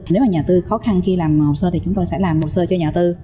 nếu mà nhà đầu tư khó khăn khi làm hồ sơ thì chúng tôi sẽ làm hồ sơ cho nhà đầu tư